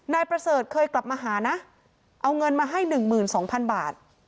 นายประเสริฐเคยกลับมาหานะเอาเงินมาให้หนึ่งหมื่นสองพันบาท